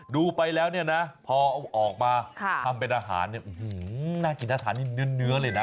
ดูไปแล้วเนี่ยนะพอไม่ออกมาน่ากินอาหารเนื้อเลยนะ